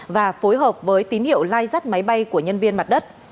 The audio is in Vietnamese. và phối hợp với tín hiệu lai rắt máy bay của nhân viên mặt đất